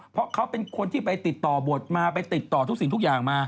เพราะเขาเป็นคนที่ไปติดต่อบทมาไปติดต่อทุกสิ่งทุกอย่างมา